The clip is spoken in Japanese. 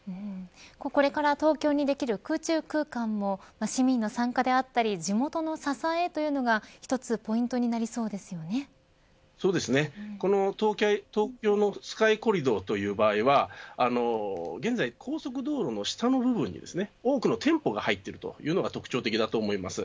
これから東京にできる空中区間も市民の参加であったり地元の支えというのがそうですね、この東京のスカイコリドーという場合は現在、高速道路の下の部分に多くの店舗が入っているのが特徴的だと思います。